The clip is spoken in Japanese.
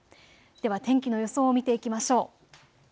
では天気の予想を見ていきましょう。